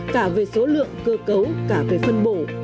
cả về số lượng cơ cấu cả về phân bổ